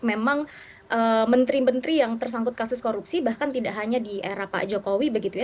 memang menteri menteri yang tersangkut kasus korupsi bahkan tidak hanya di era pak jokowi begitu ya